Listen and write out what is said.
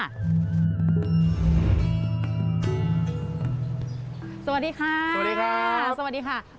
สวัสดีค่ะสวัสดีค่ะสวัสดีค่ะ